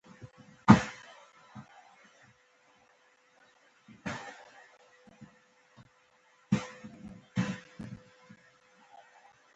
تر اوسه یوې نتیجې ته نه یم رسیدلی.